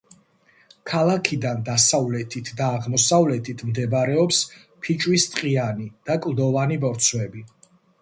ქალაქიდან დასავლეთით და აღმოსავლეთით მდებარეობს ფიჭვის ტყიანი და კლდოვანი ბორცვები.